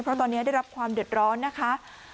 เพราะตอนนี้ได้รับความเดือดร้อนนะคะ